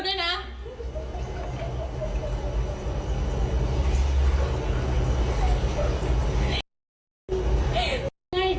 พี่ไม่มีขันเหรอ